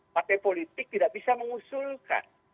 partai politik tidak bisa mengusulkan